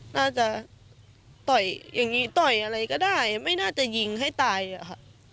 น่าจะต่อยอย่างนี้ต่อยอะไรก็ได้ไม่น่าจะยิงให้ตายอะค่ะ